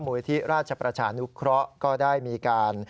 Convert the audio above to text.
ที่ราชประชานุเคราะห์ก็ได้มีการ